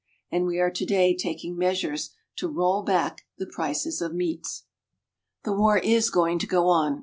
And we are today taking measures to "roll back" the prices of meats. The war is going to go on.